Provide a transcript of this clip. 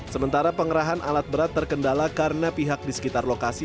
sementara pengerahan alat berat terkendala karena pihak di sekitar lokasi